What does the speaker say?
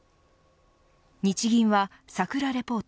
日銀はさくらレポート